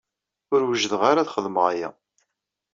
Ur wjideɣ ara ad xedmeɣ aya.